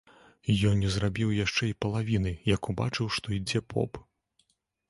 Ён не зрабіў яшчэ й палавіны, як убачыў, што ідзе поп.